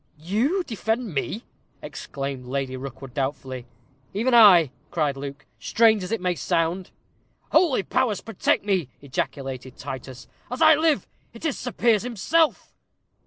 "You defend me!" exclaimed Lady Rookwood, doubtfully. "Even I," cried Luke, "strange as it may sound." "Holy powers protect me!" ejaculated Titus. "As I live, it is Sir Piers himself."